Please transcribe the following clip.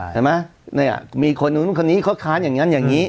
เห็นไหมเนี่ยมีคนนู้นคนนี้เขาค้านอย่างนั้นอย่างนี้